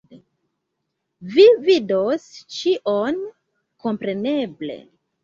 Vi vidos ĉion, kompreneble